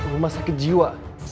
rumah sakit jiwa